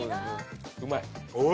うまい？